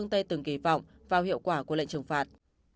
dường kỳ vọng vào hiệu quả của lệnh trừng phạt